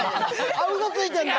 あっうそついてんだ！